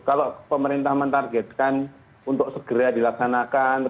kalau pemerintah mentargetkan untuk segera dilaksanakan